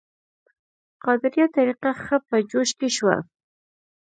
قادریه طریقه ښه په جوش کې شوه.